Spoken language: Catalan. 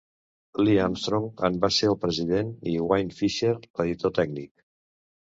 Lee Armstrong en va ser el president i Wayne Fisher l'editor tècnic.